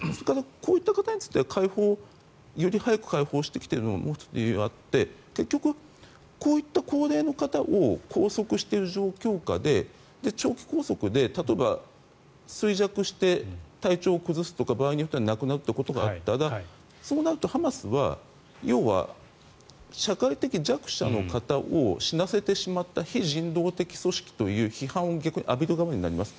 こういった方についてはより早く解放しているのにはもう１つ理由があって結局、こういった高齢の方を拘束している状況下でかつ長期拘束で衰弱して体調を崩すとか場合によって亡くなるということがあったらそうなったらハマスは要は社会的弱者の方を死なせてしまった非人道的組織という批判を浴びる側になります。